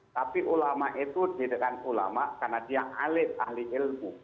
tapi ulama itu didirikan ulama karena dia ahli ahli ilmu